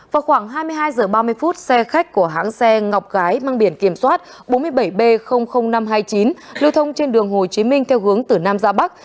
vào khoảng hai mươi hai h ba mươi xe khách của hãng xe ngọc gái mang biển kiểm soát bốn mươi bảy b năm trăm hai mươi chín lưu thông trên đường hồ chí minh theo hướng từ nam ra bắc